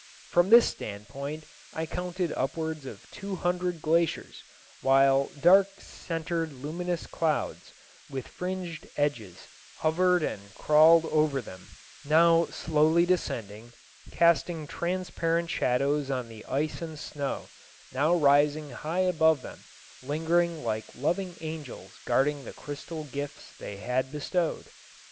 From this standpoint I counted upwards of two hundred glaciers, while dark centred luminous clouds with fringed edges hovered and crawled over them, now slowly descending, casting transparent shadows on the ice and snow, now rising high above them, lingering like loving angels guarding the crystal gifts they had bestowed.